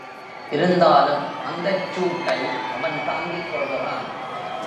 இருந்தாலும் அந்தச் சூட்டை அவன் தாங்கிக் கொள்கிறான்.